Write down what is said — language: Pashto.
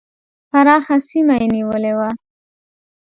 پراخه سیمه یې نیولې وه.